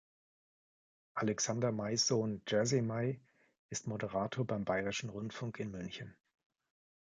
Alexander Mays Sohn Jerzy May ist Moderator beim Bayerischen Rundfunk in München.